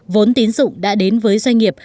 vốn tín dụng đã đến với doanh nghiệp